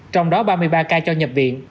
trong đó ba mươi ba ca cho nhập viện